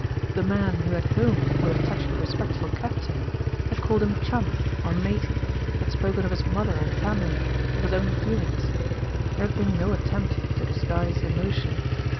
The man who at home would have touched a respectful cap to him, had called him "chum" or "matey," had spoken of his mother and family, of his own feelings. There had been no attempt to disguise emotion.